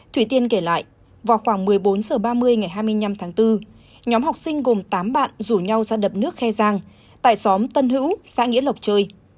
thủy tiên kể lại vào khoảng một mươi bốn h ba mươi ngày hai mươi năm tháng bốn nhóm học sinh gồm tám bạn rủ nhau ra đập nước khe giang tại xóm tân hữu xã nghĩa lộc chơi